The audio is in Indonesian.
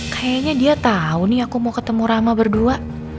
kayanya dia tau nih aku mau ketemu rama berdua